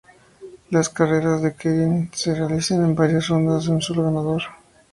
Las carreras de keirin se realizan en varias rondas con un solo ganador.